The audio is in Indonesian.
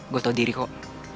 gue tau diri kok